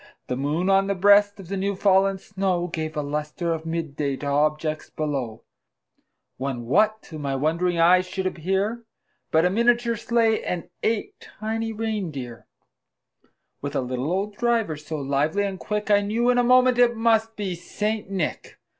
The moon, on the breast of the new fallen snow, Gave a lustre of mid day to objects below; When, what to my wondering eyes should appear, But a miniature sleigh, and eight tiny rein deer, With a little old driver, so lively and quick, I knew in a moment it must be St. Nick.